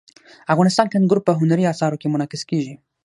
افغانستان کې انګور په هنري اثارو کې منعکس کېږي.